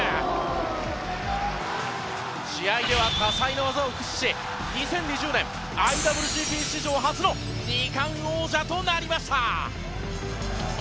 試合では多彩な技を駆使し２０２０年ＩＷＧＰ史上初の二冠王者となりました。